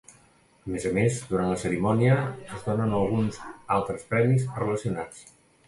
A més a més durant la cerimònia es donen alguns altres premis relacionats.